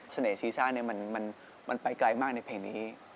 เสน่ห์ซีซ่าเนี่ยมันไปไกลมากในเพลงนี้